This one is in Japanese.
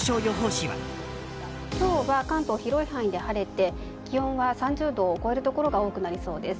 今日は関東広い範囲で晴れて気温は３０度を超えるところが多くなりそうです。